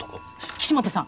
岸本さん。